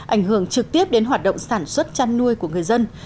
ảnh hưởng trực tiếp đến hoạt động sản xuất chăn nuôi của người dân